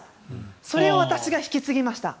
それを私が引き継ぎました。